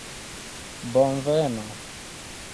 bonveno